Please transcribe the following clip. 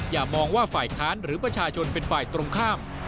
อย่ามองว่าฝ่ายค้านหรือประชาชนเป็นฝ่ายตรงข้าม